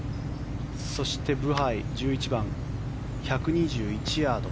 そしてブハイ、１１番１２１ヤード。